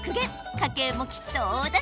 家計もきっと大助かり。